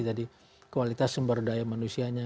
jadi kualitas sumber daya manusianya